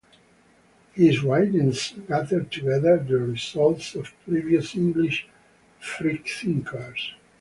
His writings gather together the results of previous English freethinkers.